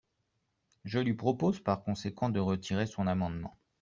Je lui propose par conséquent de retirer son amendement.